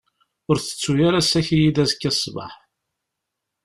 Ur tettu ara ssaki-iyi-d azekka ssbeḥ.